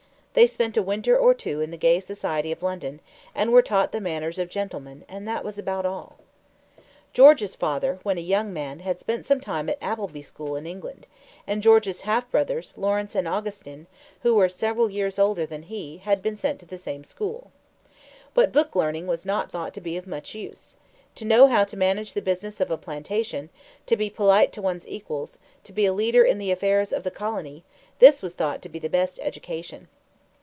They spent a winter or two in the gay society of London, and were taught the manners of gentlemen and that was about all. George Washington's father, when a young man, had spent some time at Appleby School in England, and George's half brothers, Lawrence and Augustine, who were several years older than he, had been sent to the same school. But book learning was not thought to be of much use. To know how to manage the business of a plantation, to be polite to one's equals, to be a leader in the affairs of the colony this was thought to be the best education.